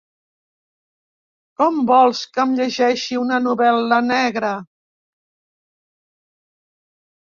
Com vols que em llegeixi una novel·la negra!